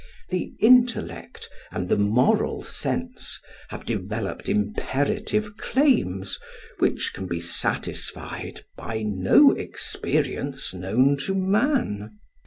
The intellect and the moral sense have developed imperative claims which can be satisfied by no experience known to man.